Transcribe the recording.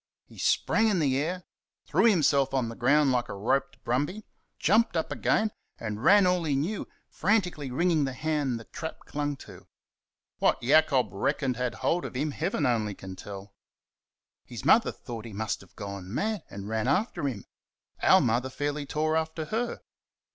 He sprang in the air threw himself on the ground like a roped brumby jumped up again and ran all he knew, frantically wringing the hand the trap clung to. What Jacob reckoned had hold of him Heaven only can tell. His mother thought he must have gone mad and ran after him. Our Mother fairly tore after her.